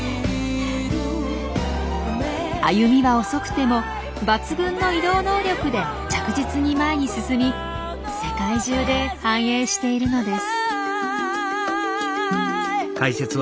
歩みは遅くても抜群の移動能力で着実に前に進み世界中で繁栄しているのです。